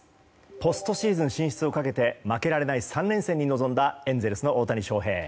ポストシーズン進出をかけて負けられない３連戦に臨んだエンゼルスの大谷翔平。